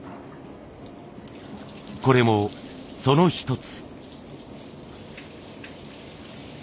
これもその一つ。